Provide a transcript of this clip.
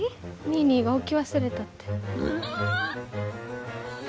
ニーニーが置き忘れたって。